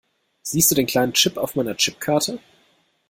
Siehst du den kleinen Chip auf meiner Chipkarte?